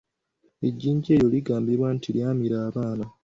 Ejjinja eryo ligambibwa nti lyamira abaana.